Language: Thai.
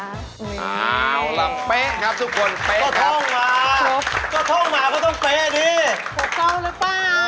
อาวุ้ย